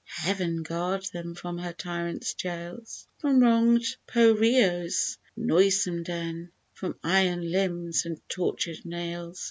Heaven guard them from her tyrants' jails! From wronged Poerio's noisome den, From iron limbs and tortured nails!